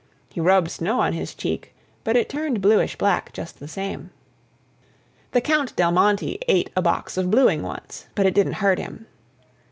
He rubbed snow on his cheek, but it turned bluish black just the same. The Count Del Monte ate a box of bluing once, but it didn't hurt him.